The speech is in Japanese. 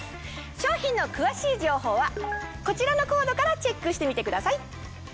商品の詳しい情報はこちらのコードからチェックしてみてください。